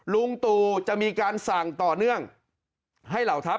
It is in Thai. ลุงตู่จะมีการสั่งต่อเนื่องให้เหล่าทัพ